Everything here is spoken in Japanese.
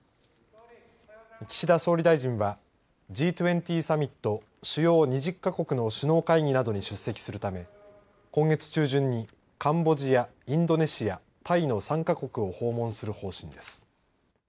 岸田総理大臣はＧ２０サミット主要２０か国の首脳会議などに出席するため今月中旬にカンボジアインドネシアタイの３か国を訪問する方針です。